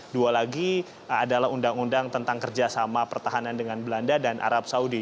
dua lagi adalah undang undang tentang kerjasama pertahanan dengan belanda dan arab saudi